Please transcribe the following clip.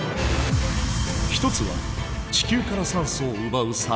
一つは地球から酸素を奪う殺人彗星。